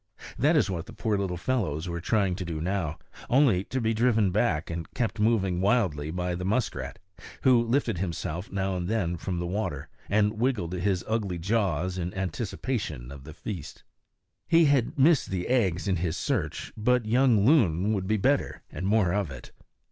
That is what the poor little fellows were trying to do now, only to be driven back and kept moving wildly by the muskrat, who lifted himself now and then from the water, and wiggled his ugly jaws in anticipation of the feast. He had missed the eggs in his search; but young loon would be better, and more of it.